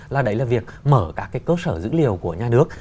là đấy là việc mở các cái cơ sở dữ liệu của nhà nước